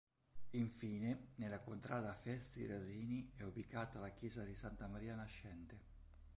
Infine nella contrada Festi Rasini è ubicata la chiesa di santa Maria Nascente.